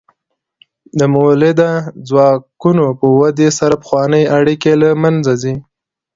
د مؤلده ځواکونو په ودې سره پخوانۍ اړیکې له منځه ځي.